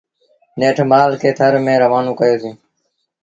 نيٺ مآل کي ٿر ميݩ روآنون ڪيو سيٚݩ۔۔